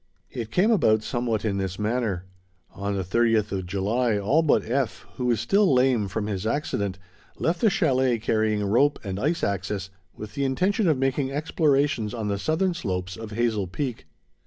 It came about somewhat in this manner. On the 30th of July, all but F., who was still lame from his accident, left the chalet carrying rope and ice axes, with the intention of making explorations on the southern slopes of Hazel Peak.